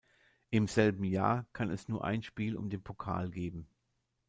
Im selben Jahr kann es nur ein Spiel um den Pokal geben.